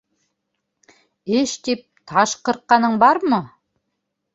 Эш тип, таш ҡырҡҡаның бармы?